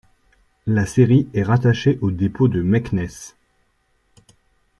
La série est rattachée au dépôt de Meknes.